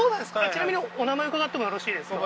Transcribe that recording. ちなみにお名前伺ってもよろしいですか？